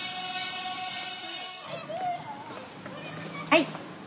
はい。